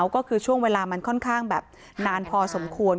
ก็คือช่วงเวลามันค่อนข้างแบบนานพอสมควร